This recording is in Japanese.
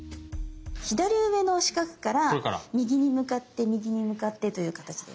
左上の四角から右に向かって右に向かってという形です。